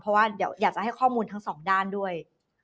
เพราะว่าเดี๋ยวอยากจะให้ข้อมูลทั้งสองด้านด้วย